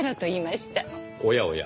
おやおや。